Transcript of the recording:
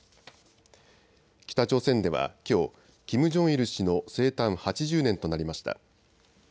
北朝鮮ではきょうキム・ジョンイル氏の生誕８０年となりました。